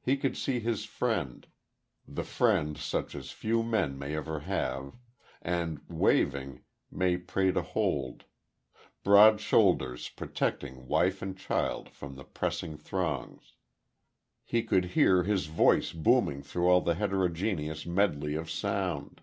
He could see his friend the friend such as few men may ever have, and, having, may pray to hold broad shoulders protecting wife and child from the pressing throngs he could hear his voice booming through all the heterogeneous medley of sound.